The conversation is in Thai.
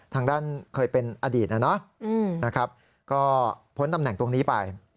ทางด้านเคยเป็นอดีตนะนะครับก็พ้นตำแหน่งตรงนี้ไป